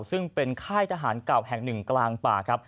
ซึ่งเป็นค่ายทหารเก่าแห่งหนึ่งกลางป่าครับ